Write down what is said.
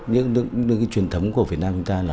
những cái truyền thống của việt nam chúng ta là